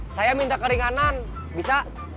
saya minta keringanan bisa